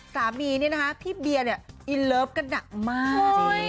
สามีนี่นะคะพี่เบียร์เนี่ยอินเลิฟกันหนักมาก